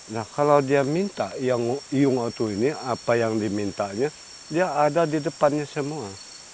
nah kalau dia minta yang iyung oto ini apa yang dimintanya dia ada di depannya semua